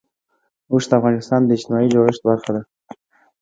اوښ د افغانستان د اجتماعي جوړښت برخه ده.